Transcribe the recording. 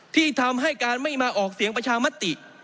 ที่ทำให้การไม่มาออกเสียงประชามติ